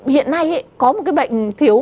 hiện nay có một cái bệnh thiếu